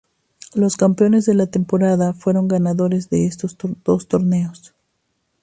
Los campeones de la temporada fueron los ganadores de estos dos torneos.